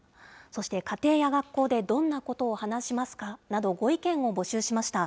そして家庭や学校でどんなことを話しますかなど、ご意見を募集しました。